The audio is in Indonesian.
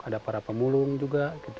ada para pemulung juga